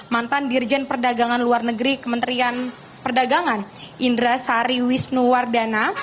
mantan dirjen perdagangan luar negeri kementerian perdagangan indra sari wisnuwardana